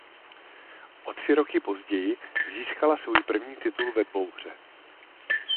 O tři roky později získala svůj první titul ve dvouhře.